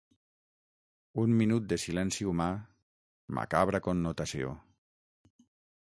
Un minut de silenci humà, macabra connotació.